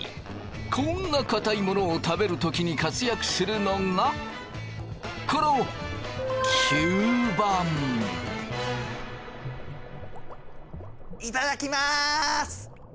こんなかたいものを食べる時に活躍するのがこの頂きます！